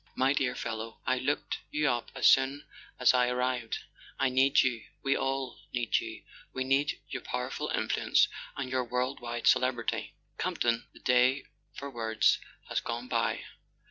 "My dear fellow, I looked you up as soon as I ar¬ rived. I need you—we all need you—we need your pow¬ erful influence and your world wide celebrity. Camp ton, the day for words has gone by.